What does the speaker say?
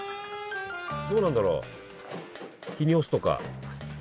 どうなんだろう日に干すとか。